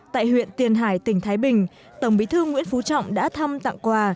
tại huyện tiền hải tỉnh thái bình tổng bí thư nguyễn phú trọng đã thăm tặng quà